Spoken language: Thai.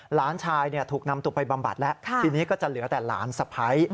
หลานชายถูกนำตัวไปบำบัดแล้วทีนี้ก็จะเหลือแต่หลานสะพ้าย